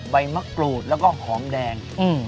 ใบมะกรูดแล้วก็หอมแดง